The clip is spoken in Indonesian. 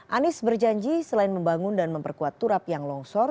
anies berjanji selain membangun dan memperkuat turap yang longsor